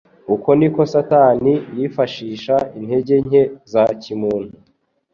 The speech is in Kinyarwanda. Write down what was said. Uko ni ko Satani yifashisha intege nke za kimuntu